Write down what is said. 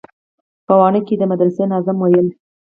په واڼه کښې د مدرسې ناظم ويل.